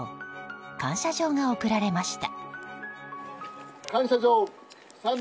感謝状が贈られました。